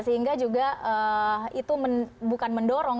sehingga juga itu bukan mendorong